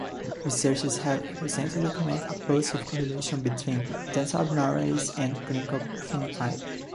Researchers have recently documented a positive correlation between dental abnormalities and clinical phenotype.